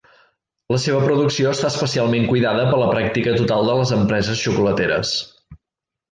La seva producció està especialment cuidada per la pràctica total de les empreses xocolateres.